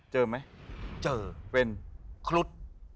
เจอไหมเจอเป็นครุฑ